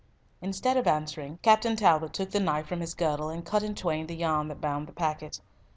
Instead of answering. Captain Talbot took the knife from his girdle, and cut in twain the yarn that bound the packet.